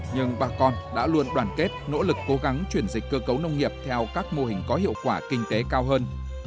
nhưng bà con đã luôn đoàn kết nỗ lực cố gắng chuyển dịch cơ cấu nông nghiệp theo các mô hình có hiệu quả kinh tế cao hơn